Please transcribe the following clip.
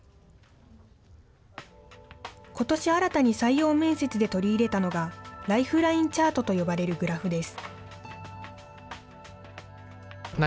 ことし新たに採用面接で取り入れたのが、ライフラインチャートと呼ばれるグラフです。